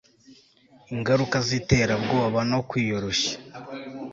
Ingaruka ziterabwoba no kwiyoroshya